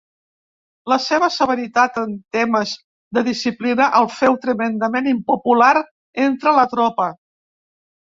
La seva severitat en temes de disciplina el féu tremendament impopular entre la tropa.